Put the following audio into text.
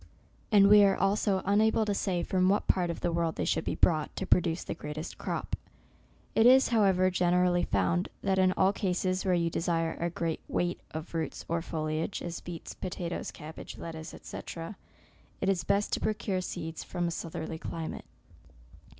And we are also unable to say from what part of the world they should be brought, to produce the greatest crop. It is, however, generally found, that in all cases where you desire a great weight of roots or foliage, as beets, potatoes, cabbage, lettuce, &c. it is best to procure seed from a southerly climate.